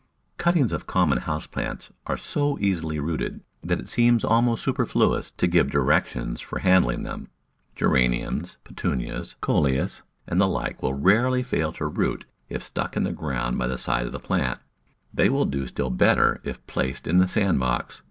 Cuttings of common house plants are so easily rooted that it seems almost superfluous to give direc tions for handling them. Geraniums, Petunias, Coleus, and the like will rarely fail to root if stuck in the ground by the side of the plant; they will do still better if placed in the sand box.